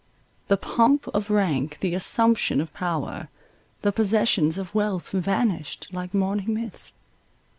The pomp of rank, the assumption of power, the possessions of wealth vanished like morning mist.